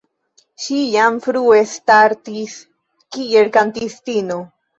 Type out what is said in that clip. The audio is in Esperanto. Ŝi jam frue startis kiel kantistino.